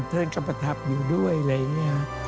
ท่านก็ประทับอยู่ด้วยอะไรอย่างนี้